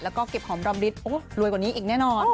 แล้วก็เก็บของรำริสโอ๊ยรวยกว่านี้อีกแน่นอน